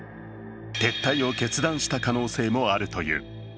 撤退を決断した可能性もあるという。